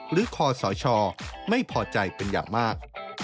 คอสชไม่พอใจเป็นอย่างมาก